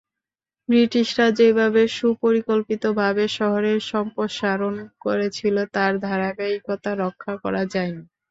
ব্রিটিশরা যেভাবে সুপরিকল্পিতভাবে শহরের সম্প্রসারণ করেছিল, তার ধারাবাহিকতা রক্ষা করা যায়নি।